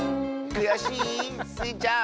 くやしい？スイちゃん。